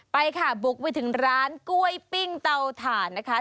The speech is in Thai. ไปค่ะบุกไปถึงร้านกล้วยปิ้งเตาถ่านนะคะ